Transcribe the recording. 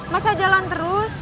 masa jalan terus